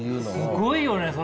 すごいよねそれ。